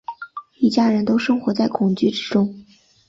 一家人都生活在恐惧之中